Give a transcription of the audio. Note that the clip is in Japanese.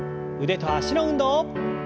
腕と脚の運動。